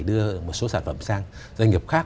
đưa một số sản phẩm sang doanh nghiệp khác